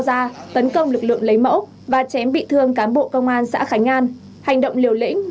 ra tấn công lực lượng lấy mẫu và chém bị thương cán bộ công an xã khánh an hành động liều lĩnh